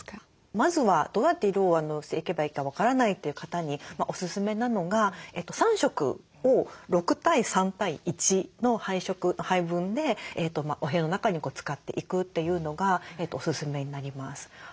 まずはどうやって色をしていけばいいか分からないという方におススメなのが３色を６対３対１の配色配分でお部屋の中に使っていくというのがおススメになります。